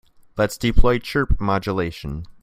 Let's deploy chirp modulation.